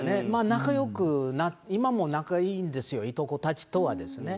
仲よく、今も仲いいんですよ、いとこたちとはですね。